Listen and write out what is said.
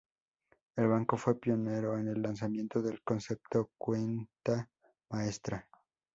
El banco fue pionero en el lanzamiento del concepto "Cuenta Maestra".